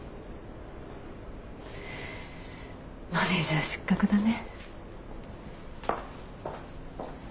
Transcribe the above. マネージャー失格だね。